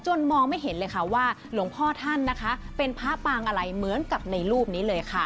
มองไม่เห็นเลยค่ะว่าหลวงพ่อท่านนะคะเป็นพระปางอะไรเหมือนกับในรูปนี้เลยค่ะ